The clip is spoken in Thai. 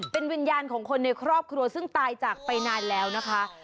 เป็นวิญญาณของคนในครอบครัวซึ่งตายจากไปนานแล้วนะคะ